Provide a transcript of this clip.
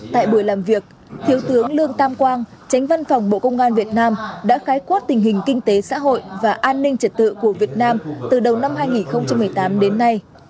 tại buổi làm việc thiếu tướng lương tam quang tránh văn phòng bộ công an việt nam đã khái quát tình hình kinh tế xã hội và an ninh trật tự của việt nam từ đầu năm hai nghìn một mươi tám đến nay